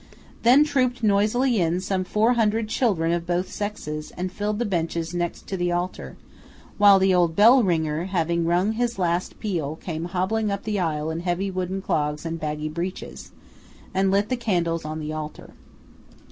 Then trooped noisily in some four hundred children of both sexes, and filled the benches next the altar; while the old bell ringer, having rung his last peal, came hobbling up the aisle in heavy wooden clogs and baggy breeches, and lit the candles on the altar.